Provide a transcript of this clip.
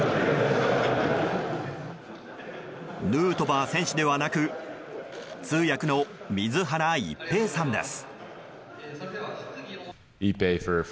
ヌートバー選手ではなく通訳の水原一平さんです。